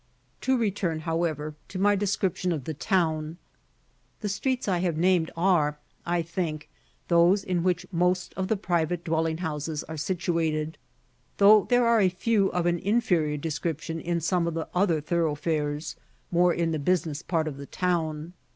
To return, however, to my description of the town: the streets I have named are, I think, those in which most of the private dwelling houses are situated, though there are a few of an inferior description in some of the other thoroughfares, more in the business part of the town.